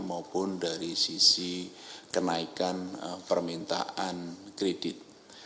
maupun dari sisi kenaikan permintaan kredit